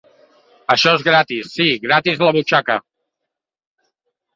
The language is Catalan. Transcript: Això és gratis. —Sí, grati's la butxaca!